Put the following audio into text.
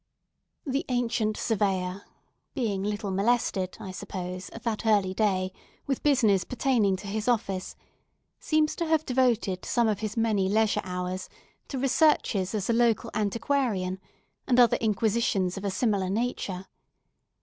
The ancient Surveyor—being little molested, I suppose, at that early day with business pertaining to his office—seems to have devoted some of his many leisure hours to researches as a local antiquarian, and other inquisitions of a similar nature.